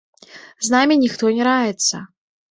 З намі ніхто не раіцца.